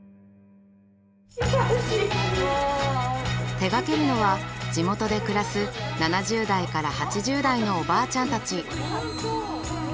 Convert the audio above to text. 手がけるのは地元で暮らす７０代から８０代のおばあちゃんたち。